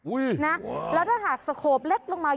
อุ้ยว้าวแล้วถ้าหากสโขบเล็กลงมา